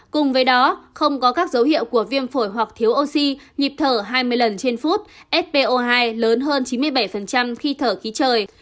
cùng với đó không có các dấu hiệu của viêm phổi hoặc thiếu oxy nhịp thở hai mươi lần trên phút spo hai lớn hơn chín mươi bảy khi thở khí trời